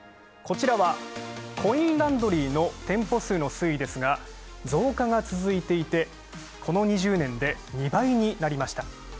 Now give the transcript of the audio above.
こちらはコインランドリーの店舗数の推移ですが増加が続いていて、この２０年で２倍になりました。